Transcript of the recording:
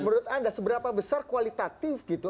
menurut anda seberapa besar kualitatif gitu